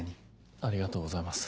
ありがとうございます。